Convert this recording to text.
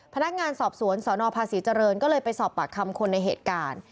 พนักงานสอบสวนสนภาษีเจริญก็เลยไปสอบปากคำคนในเหตุการณ์